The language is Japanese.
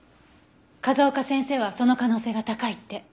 風丘先生はその可能性が高いって。